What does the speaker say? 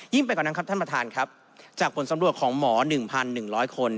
ไปกว่านั้นครับท่านประธานครับจากผลสำรวจของหมอ๑๑๐๐คน